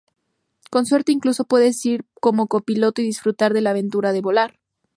Con suerte incluso puedes ir como copiloto y disfrutar de la aventura de volar.